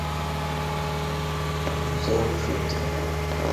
হতে পারে তার সাথে উপরিমহলের ভালো যোগসূত্র আছে।